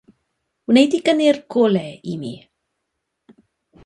Wnei di gynnau'r golau i mi.